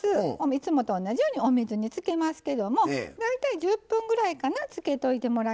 いつもと同じようにお水につけますけども大体１０分ぐらいかなつけといてもらいますね。